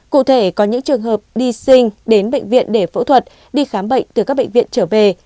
cụ thể có những trường hợp đi sinh đến bệnh viện để phẫu thuật đi khám bệnh từ các bệnh viện trở về